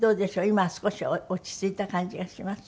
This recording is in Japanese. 今は少し落ち着いた感じがします？